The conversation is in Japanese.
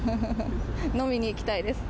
飲みに行きたいです。